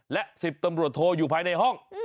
และ๑๐ตำรวจโทอยู่ภายในห้อง